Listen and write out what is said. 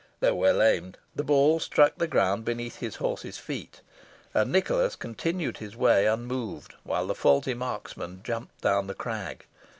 Though well aimed, the ball struck the ground beneath his horse's feet, and Nicholas continued his way unmoved, while the faulty marksman jumped down the crag.